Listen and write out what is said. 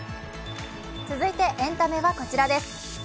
続いてエンタメはこちらです。